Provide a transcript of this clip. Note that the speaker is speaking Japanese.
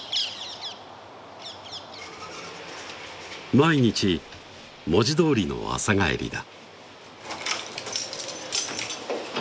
毎日文字どおりの朝帰りだ